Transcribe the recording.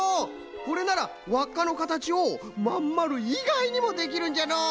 これならわっかのかたちをまんまるいがいにもできるんじゃのう！